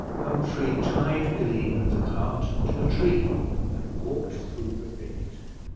Humphrey tied Billy and the cart to a tree, and walked through the thicket.